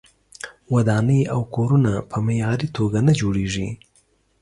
ودانۍ او کورونه په معیاري توګه نه جوړیږي.